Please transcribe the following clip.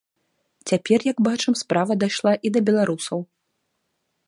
Цяпер, як бачым, справа дайшла і да беларусаў.